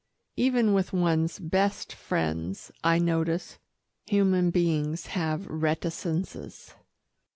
Even with one's best friends, I notice, human beings have reticences.